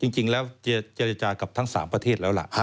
จริงแล้วเจรจากับทั้ง๓ประเทศแล้วล่ะ